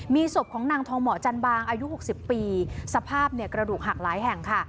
มีศพของนางทองเหมาะจันบางอายุ๖๐ปีสภาพเนี่ยกระดูกหักหลายแห่งค่ะ